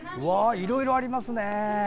いろいろありますね。